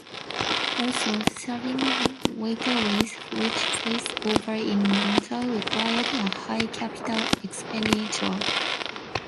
Also, serving waterways which freeze over in winter required a high capital expenditure.